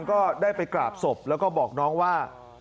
ก็ได้ไปกราบศพแล้วก็บอกน้องว่า